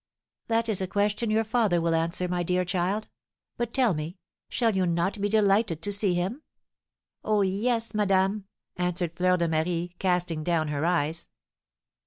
"That is a question your father will answer, my dear child. But tell me, shall you not be delighted to see him?" "Oh, yes, madame," answered Fleur de Marie, casting down her eyes.